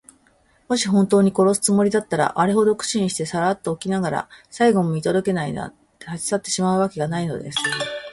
もしほんとうに殺すつもりだったら、あれほど苦心してさらっておきながら、最期も見とどけないで、たちさってしまうわけがないのです。